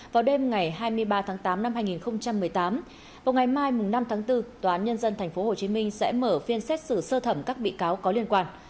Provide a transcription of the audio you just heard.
vào đêm ngày hai mươi ba tháng tám năm hai nghìn một mươi tám vào ngày mai năm tháng bốn tòa án nhân dân tp hcm sẽ mở phiên xét xử sơ thẩm các bị cáo có liên quan